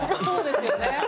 そうですよね。